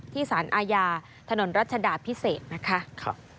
สารอาญาถนนรัชดาพิเศษนะคะ